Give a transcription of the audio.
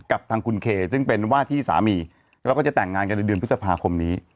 กับทางคุณเคซึ่งเป็นว่าที่สามีแล้วก็จะแต่งงานกันในเดือนพฤษภาคมนี้